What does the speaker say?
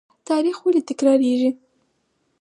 تاریخ ولې تکراریږي؟